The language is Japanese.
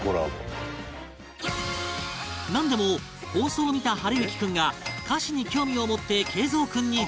なんでも放送を見た暖之君が歌詞に興味を持って桂三君に連絡